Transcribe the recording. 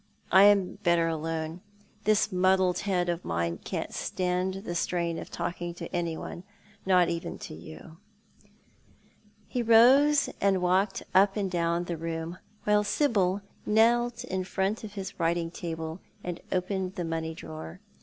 I am better alone. This muddled head of mine can't stand the strain of talking to anyone — not even to you," He rose and walked up and down the room, while Sibyl knelt in front of his writing table and opened the money drawer.